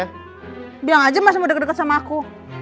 there aja mas udah kesama aku